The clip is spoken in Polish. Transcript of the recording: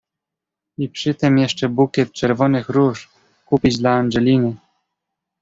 "I przytem jeszcze bukiet czerwonych róż kupić dla Angeliny!"